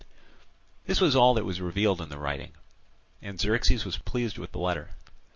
This was all that was revealed in the writing, and Xerxes was pleased with the letter.